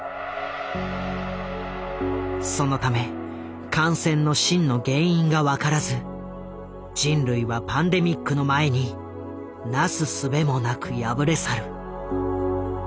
そのため感染の真の原因が分からず人類はパンデミックの前になすすべもなく敗れ去る。